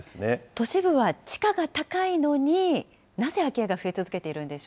都市部は地価が高いのに、なぜ空き家が増え続けているんでし